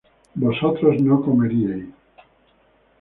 vosotros no comeríais